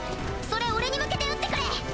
それ俺に向けて撃ってくれ！